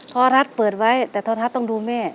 เพราะทัศน์เปิดไว้แต่ท้อทัศน์ต้องดูแม่